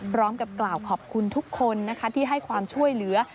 พร้อมกับกล่าวขอบคุณทุกคนนะคะที่ให้ความช่วยเหลือ